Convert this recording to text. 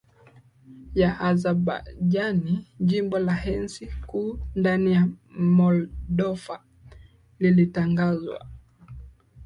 ya Azabajani Jimbo la enzi kuu ndani ya Moldova lilitangazwa